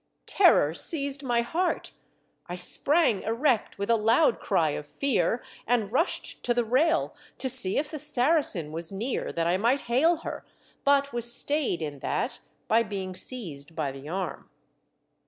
Terror seized my heart. I sprang erect with a loud cry of fear, and rushed to the rail to see if the Saracen was near that I might hail her, but was stayed in that by being seized by the arm.